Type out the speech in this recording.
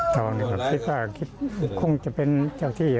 ตอนนี้ครับคิดว่าคิดคงจะเป็นเจ้าที่